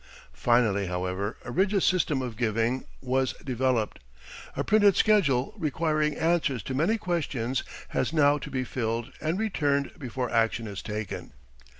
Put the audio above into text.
Finally, however, a rigid system of giving was developed. A printed schedule requiring answers to many questions has now to be filled and returned before action is taken.